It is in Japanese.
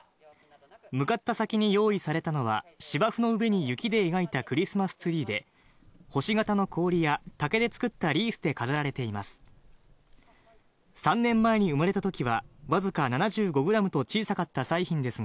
向かった先に用意されたのは、芝生の上に雪で描いたクリスマスツリーで、星形の氷や竹で作ったリースで飾られています。